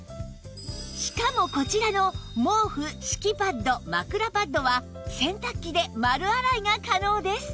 しかもこちらの毛布敷きパッド枕パッドは洗濯機で丸洗いが可能です